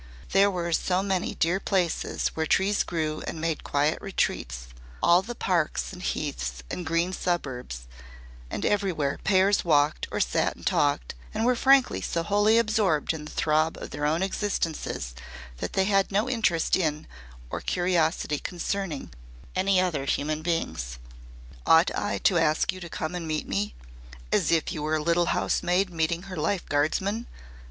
There were so many dear places where trees grew and made quiet retreats all the parks and heaths and green suburbs and everywhere pairs walked or sat and talked, and were frankly so wholly absorbed in the throb of their own existences that they had no interest in, or curiosity concerning, any other human beings. "Ought I to ask you to come and meet me as if you were a little housemaid meeting her life guardsman?"